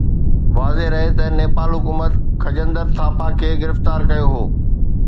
واضح رهي ته نيپال حڪومت خجندر ٿاپا کي گرفتار ڪيو هو